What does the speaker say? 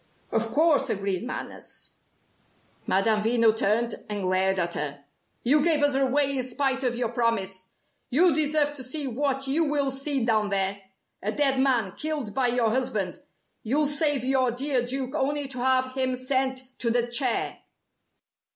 "Of course!" agreed Manners. Madame Veno turned and glared at her. "You gave us away in spite of your promise. You deserve to see what you will see down there. A dead man killed by your husband. You'll save your dear Duke only to have him sent to the chair."